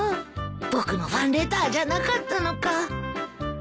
僕のファンレターじゃなかったのか。